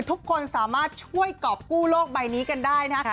ทุกคนสามารถช่วยกรอบกู้โลกใบนี้กันได้นะ